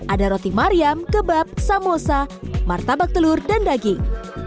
ada roti mariam kebab samosa martabak telur dan daging